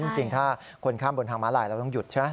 จริงถ้าคนข้ามบนทางม้าลายเราต้องหยุดใช่ไหม